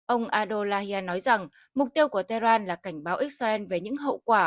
ông adolahian nói rằng mục tiêu của tehran là cảnh báo israel về những hậu quả